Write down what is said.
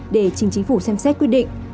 để chính chính phủ xem xét quyết định